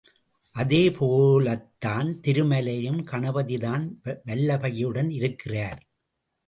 அதே போலத்தான் திருமலையிலும் கணபதிதான் வல்லபையுடன் இருக்கிறார்.